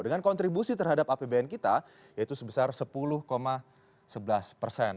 dengan kontribusi terhadap apbn kita yaitu sebesar sepuluh sebelas persen